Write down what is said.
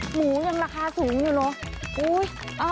หมูยังราคาสูงอยู่เหรอ